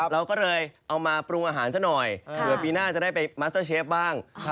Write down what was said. เราก็เลยเอามาปรุงอาหารซะหน่อยเผื่อปีหน้าจะได้ไปมัสเตอร์เชฟบ้าง